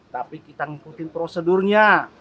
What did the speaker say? tapi kita ngikutin prosedurnya